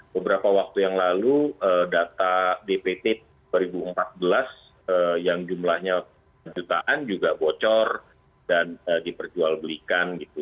beberapa waktu yang lalu data dpt dua ribu empat belas yang jumlahnya jutaan juga bocor dan diperjualbelikan gitu